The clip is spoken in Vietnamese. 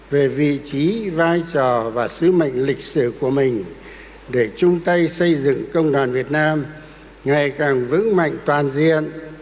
về vị trí vai trò và sứ mệnh lịch sử của mình để chung tay xây dựng công đoàn việt nam ngày càng vững mạnh toàn diện